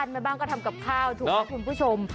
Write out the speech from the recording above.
แม่บ้านก็ทำกับข้าวถูกไหมคุณผู้ชม